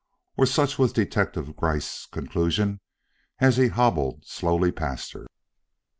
or such was Detective Gryce's conclusion as he hobbled slowly past her.